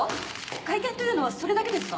会見というのはそれだけですか？